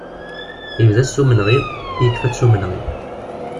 Yebda-tt s umenɣi, yekfa-tt s umenɣi.